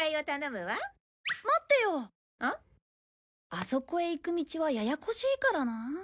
あそこへ行く道はややこしいからなあ。